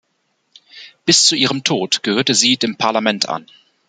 Bis zu ihrem Tod gehörte sie dem Parlament an.